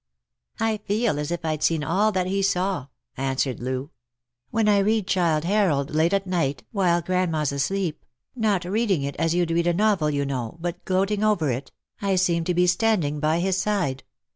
" I feel as if I'd seen all that he saw," answered Loo. " When I read Ghilde Harold late at night, while grandma's asleep — not reading it as you'd read a novel, you know, but gloating over it — I seem to be standing by his side.